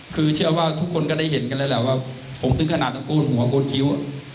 คือเชื่อว่าทุกคนก็ได้เห็นกันแล้วแหละว่าผมถึงขนาดตะโกนหัวโกนคิ้ว